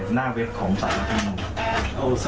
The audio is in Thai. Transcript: หน้าเว็บของสารรัฐธรรมนูญ